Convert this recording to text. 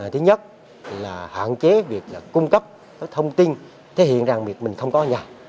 thứ nhất là hạn chế việc cung cấp thông tin thể hiện rằng việc mình không có nhà